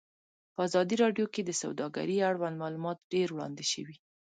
په ازادي راډیو کې د سوداګري اړوند معلومات ډېر وړاندې شوي.